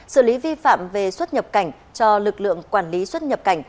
xử lý vi phạm về xuất nhập cảnh cho lực lượng quản lý xuất nhập cảnh